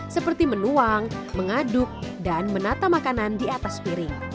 seperti menuang mengaduk dan menata makanan di atas piring